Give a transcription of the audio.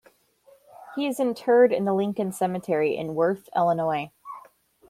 He is interred in the Lincoln Cemetery, in Worth, Illinois.